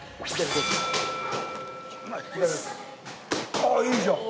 あっいいじゃん。